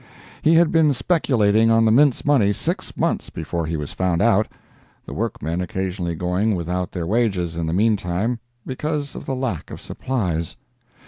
He had been speculating on the mint's money six months before he was found out—the work men occasionally going without their wages in the meantime because of the lack of supplies.